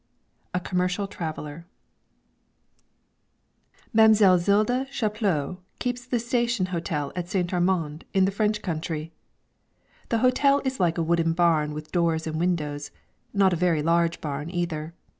VI A COMMERCIAL TRAVELLER Mam'selle Zilda Chaplot keeps the station hotel at St. Armand, in the French country. The hotel is like a wooden barn with doors and windows, not a very large barn either.